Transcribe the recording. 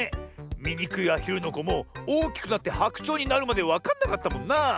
「みにくいアヒルのこ」もおおきくなってハクチョウになるまでわかんなかったもんなあ。